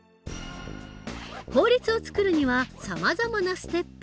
法律を作るにはさまざまなステップが存在する。